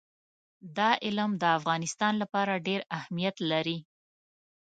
دا علم د افغانستان لپاره ډېر اهمیت لري.